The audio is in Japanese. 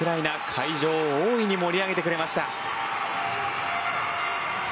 会場を大いに盛り上げてくれました。